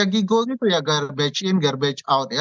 giga gitu ya garbage in garbage out